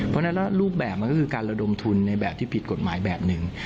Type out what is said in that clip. เพราะฉะนั้นรูปแบบมันก็คือการระดมทุนในแบบที่ผิดกฎหมายแบบหนึ่ง